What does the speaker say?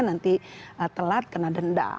nanti telat kena denda